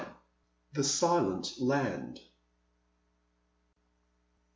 THE SILENT LAND.